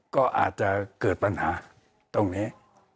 ก็อาจจะเกิดปัญหาตรงนี้